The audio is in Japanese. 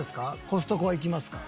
コストコは行きますか？